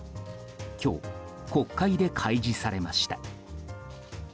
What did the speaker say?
今日、国会で開示されました。